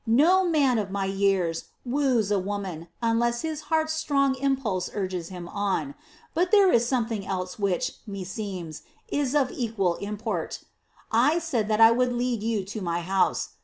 No man of my years woos a woman, unless his heart's strong impulse urges him on. But there is something else which, meseems, is of equal import. I said that I would lead you to my house.